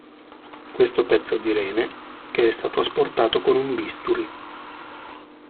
Questo pezzo di rene, che è stato asportato con un bisturi.